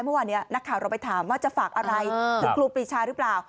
เมื่อวานนี้นักข่าวเราไปถามว่าจะฝากอะไรถึงครูปรีชาหรือเปล่า